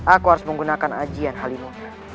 aku harus menggunakan ajian halimu